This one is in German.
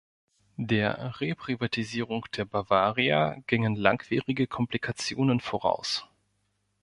Der Reprivatisierung der Bavaria gingen langwierige Komplikationen voraus.